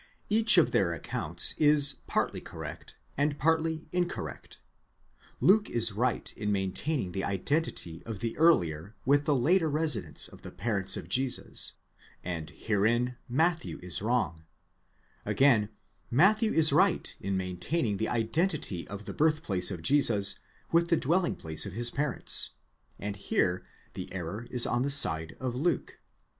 Each of their accounts is partly correct, and partly incorrect: Luke is right in maintaining the identity of the earlier with the later residence of the parents of Jesus, and herein Matthew is wrong ; again, Matthew is right in maintaining the identity of the birth place of Jesus with the dwelling place of his parents, and here the error is on the side of Luke.